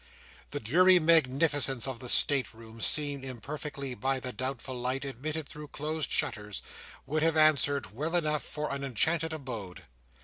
The dreary magnificence of the state rooms, seen imperfectly by the doubtful light admitted through closed shutters, would have answered well enough for an enchanted abode.